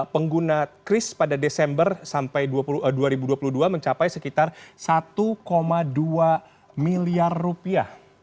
pengguna kris pada desember sampai dua ribu dua puluh dua mencapai sekitar satu dua miliar rupiah